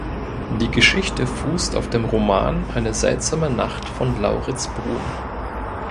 Die Geschichte fußt auf dem Roman "Eine seltsame Nacht" von Laurids Bruun.